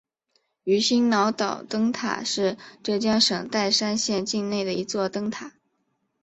鱼腥脑岛灯塔是浙江省岱山县境内的一座灯塔。